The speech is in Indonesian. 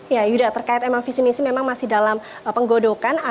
ya yuda terkait memang visi misi memang masih dalam penggodokan